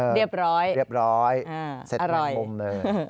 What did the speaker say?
เรียบร้อยเสร็จแมงมุมเลยอร่อย